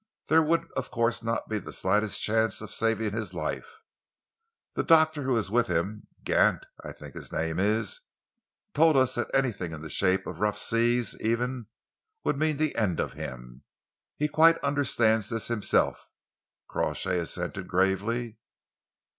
There would of course be not the slightest chance of saving his life. The doctor who is with him Gant, I think his name is told us that anything in the shape of a rough sea, even, would mean the end of him. He quite understands this himself." Crawshay assented gravely.